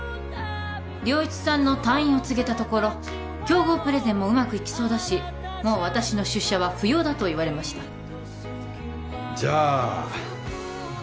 良一さんの退院を告げたところ競合プレゼンもうまくいきそうだしもう私の出社は不要だと言われましたじゃあ